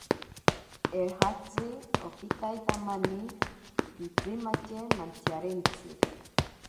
Eejatzi okitaitamani pitsimatye mantsiyarentsi.